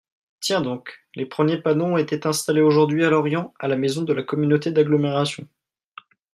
tiens donc, les premiers panneaux ont été installés aujourd'hui à Lorient à la maison de la Communauté d'agglomération.